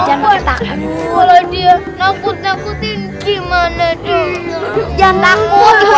gimana dia yang takutnya